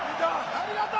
ありがとう！